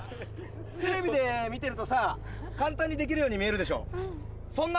テレビで見てるとさ簡単にできるように見えるでしょ。